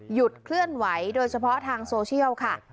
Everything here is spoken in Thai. เคลื่อนไหวโดยเฉพาะทางโซเชียลค่ะ